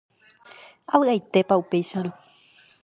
Avy'aitépa upéicharõ